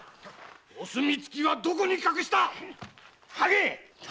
お墨付きはどこに隠した⁉吐け！